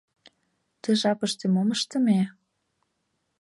— Ты жапыште мом ыштыме?